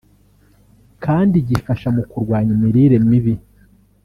kandi gifasha mu kurwanya imirire mibi